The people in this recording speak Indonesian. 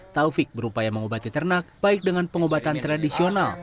taufik berupaya mengobati ternak baik dengan pengobatan tradisional